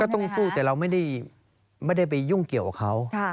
ก็ต้องสู้แต่เราก็ไม่ได้ช่วยข่าวเขา